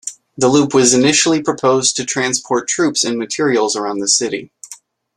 The loop was initially proposed to transport troops and materials around the city.